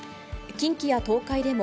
近畿や東海でも